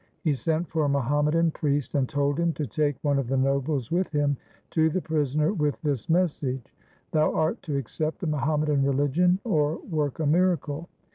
He sent for a Muhammadan priest and told him to take one of the nobles with him to the prisoner with this message, ' Thou art to accept the Muhammadan religion or work a miracle.